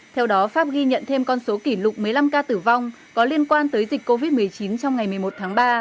theo đó pháp ghi nhận thêm con số kỷ lục một mươi năm ca tử vong có liên quan tới dịch covid một mươi chín trong ngày một mươi một tháng ba